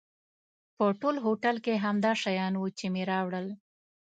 په ټول هوټل کې همدا شیان و چې مې راوړل.